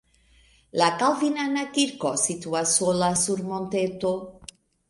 La kalvinana kirko situas sola sur monteto.